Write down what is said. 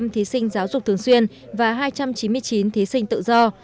một mươi thí sinh giáo dục thường xuyên và hai trăm chín mươi chín thí sinh tự do